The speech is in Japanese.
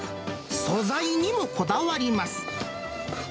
素材にもこだわります。